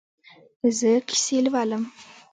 زه کیسې لولم